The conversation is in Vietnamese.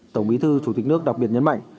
tổng bí thư chủ tịch nước đặc biệt nhấn mạnh